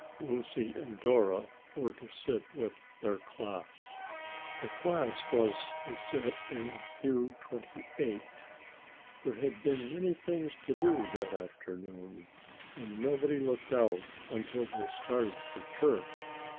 Lucy and Dora were to sit with their class. The class was to sit in pew twenty eight. There had been many things to do that afternoon, and nobody looked out until they started for church.